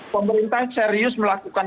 pemerintah serius melakukan